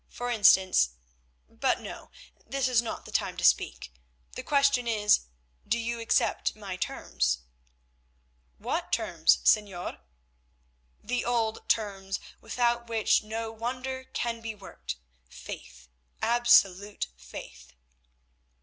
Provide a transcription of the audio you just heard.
For instance—but, no, this is not the time to speak. The question is, do you accept my terms?" "What terms, señor?" "The old terms, without which no wonder can be worked—faith, absolute faith."